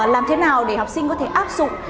làm thế nào để học sinh có thể áp dụng